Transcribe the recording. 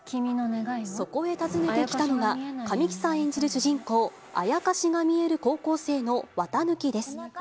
そこへ訪ねてきたのが、神木さん演じる主人公、アヤカシが見える高校生の四月一日です。